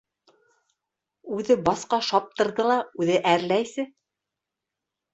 Үҙе басҡа шаптырҙы ла, үҙе әрләйсе...